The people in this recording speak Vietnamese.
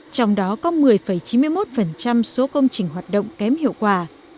trong đó có một mươi chín mươi một số công trình hoạt động kém hiệu quả